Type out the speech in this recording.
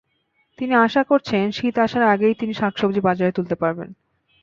তিনি আশা করছেন, শীত আসার আগেই তিনি শাকসবজি বাজারে তুলতে পারবেন।